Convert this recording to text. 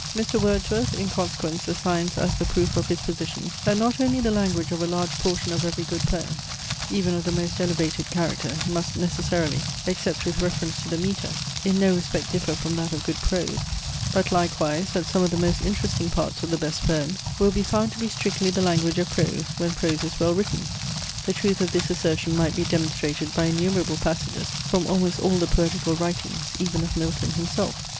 Mr. Wordsworth, in consequence, assigns as the proof of his position, "that not only the language of a large portion of every good poem, even of the most elevated character, must necessarily, except with reference to the metre, in no respect differ from that of good prose, but likewise that some of the most interesting parts of the best poems will be found to be strictly the language of prose, when prose is well written. The truth of this assertion might be demonstrated by innumerable passages from almost all the poetical writings, even of Milton himself."